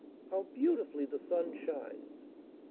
How beautifully the sun shines!